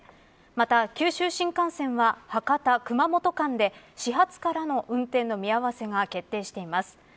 また九州新幹線は博多、熊本間で始発からの運転の見合わせが決定しています。